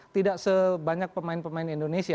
tidak sebanyak pemain pemain indonesia